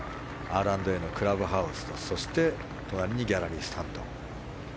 Ｒ＆Ａのクラブハウスとそして隣にギャラリースタンド。